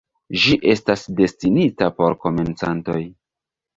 Ĝi estas destinita por komencantoj.